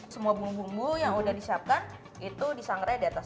semua bumbu bumbu yang udah disiapkan itu disangrai diatas